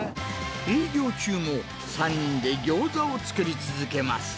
営業中も３人でギョーザを作り続けます。